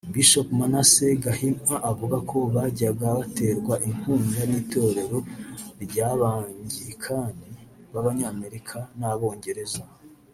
Bishop Manasseh Gahima avuga ko bajyaga baterwa inkunga n’Itorero ry’Abangirikani b’Abanyamerika n’Abongereza